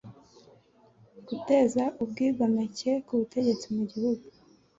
guteza ubwigomeke ku butegetsi mu gihugu.